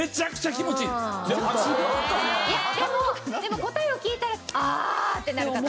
いやでも答えを聞いたら「ああ」ってなる方。